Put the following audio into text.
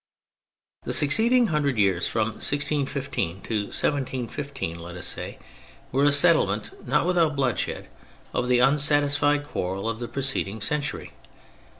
The succeeding hundred years, from 1615 to 1715, let us say, were a settlement, not without bloodshed, of the unsatisfied quarrel of the preceding century.